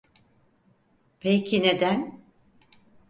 Peki neden?